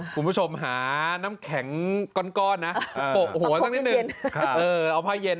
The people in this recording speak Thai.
คุณผู้ชมหาน้ำแข็งก้อนนะโปะหัวสักนิดนึง